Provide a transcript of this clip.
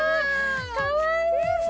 かわいい！